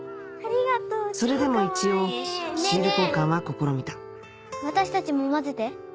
それでも一応シール交換は試みた私たちも混ぜて。